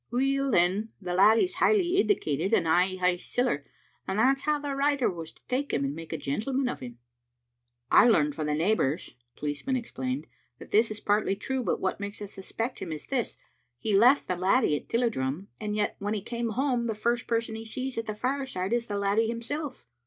" Weel, then, the laddie's highly edicated and I hae siller, and that's how the writer was to take him and make a gentleman o' him." "I learn from the neighbours," the policeman ex plained, "that this is partly true, but what makes us suspect him is this. He left the laddie at Tilliedrum, and yet when he came home the first person he sees at the fireside is the laddie himself.